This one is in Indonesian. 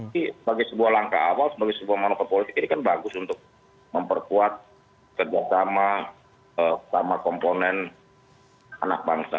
jadi sebagai sebuah langkah awal sebagai sebuah manufaktur politik ini kan bagus untuk memperkuat kerjasama sama komponen anak bangsa